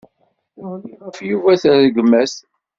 Teɣliḍ ɣef Yuba s rregmat.